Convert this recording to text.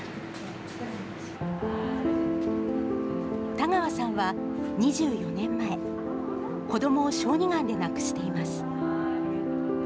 田川さんは２４年前、子どもを小児がんで亡くしています。